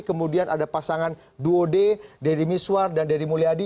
kemudian ada pasangan duode deddy miswar dan deddy mulyadi